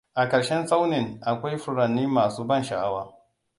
A ƙarshen tsaunin, akwai furanni masu ban sha'awa.